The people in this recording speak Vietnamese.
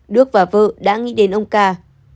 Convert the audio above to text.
đức và vợ đã nghĩ đến ông ca